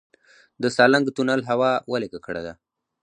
د سالنګ تونل هوا ولې ککړه ده؟